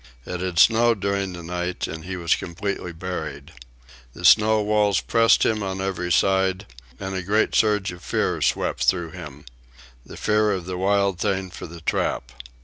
It had snowed during the night and he was completely buried. The snow walls pressed him on every side, and a great surge of fear swept through him—the fear of the wild thing for the trap.